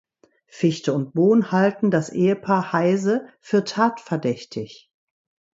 Fichte und Bohn halten das Ehepaar Heyse für tatverdächtig.